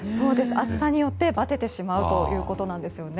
暑さによってばててしまうということなんですね。